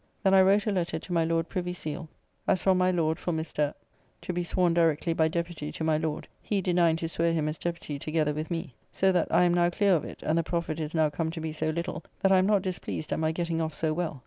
Then I wrote a letter to my Lord Privy Seale as from my Lord for Mr. to be sworn directly by deputy to my Lord, he denying to swear him as deputy together with me. So that I am now clear of it, and the profit is now come to be so little that I am not displeased at my getting off so well.